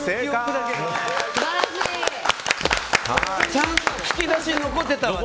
ちゃんと引き出し残ってたわ。